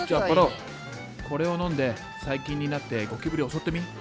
おこれを飲んで細菌になってゴキブリ襲ってみ。